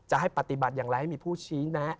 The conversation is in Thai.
ให้ปฏิบัติอย่างไรให้มีผู้ชี้แนะ